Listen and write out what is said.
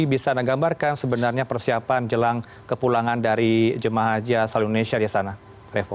bisa anda gambarkan sebenarnya persiapan jelang kepulangan dari jemaah haji asal indonesia di sana revo